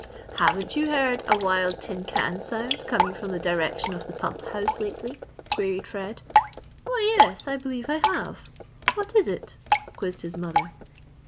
"Haven't you heard a weird tincan sound coming from the direction of the pump house lately?" queried Fred. "Why, yes I believe I have! What is it?" quizzed his mother.